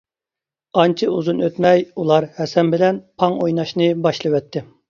ئانچە ئۇزۇن ئۆتمەي ئۇلار ھەسەن بىلەن پاڭ ئويناشنى باشلىۋەتتى.